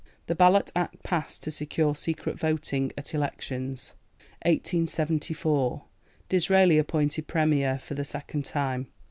The Ballot Act passed to secure secret voting at elections. 1874. Disraeli appointed Premier for the second time.